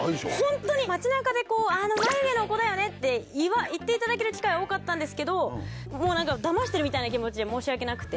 ホントに街中でこう。って言っていただける機会多かったんですけどもう何かだましてるみたいな気持ちで申し訳なくて。